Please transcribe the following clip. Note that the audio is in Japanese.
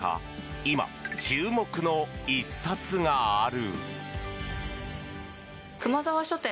今、注目の１冊がある。